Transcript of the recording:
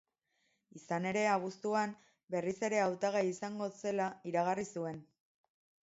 Izan ere, abuztuan, berriz ere hautagai izango zela iragarri zuen.